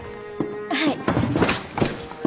はい！